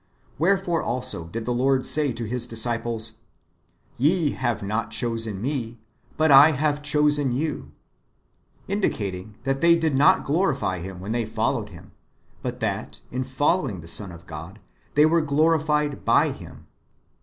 Wherefore also did the Lord say to His disciples, " Ye have not chosen me, but I have chosen you ;"^ indicating that they did not glorify Him when they followed Him ; but that, in following the Son of God, they were glori fied by Him.